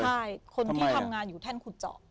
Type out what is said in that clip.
ใช่คนที่ทำงานอยู่แท่นขุดเจาะ